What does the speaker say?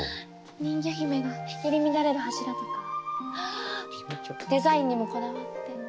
人魚姫が入り乱れる柱とかデザインにもこだわって。